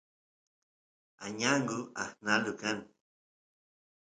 añangu aqnalu kan